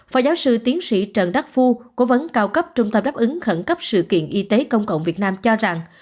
phó giáo sư tiến sĩ trần đắc phu cố vấn cao cấp trung tâm đáp ứng khẩn cấp sự kiện y tế công cộng việt nam cho rằng